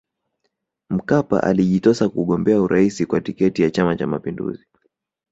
Mkapa alijitosa kugombea urais kwa tiketi ya Chama Cha Mapinduzi